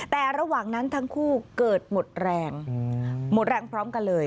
แต่ระหว่างนั้นทั้งคู่เกิดหมดแรงหมดแรงพร้อมกันเลย